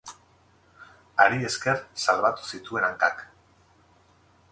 Hari esker salbatu zituen hankak.